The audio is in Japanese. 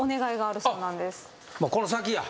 この先や。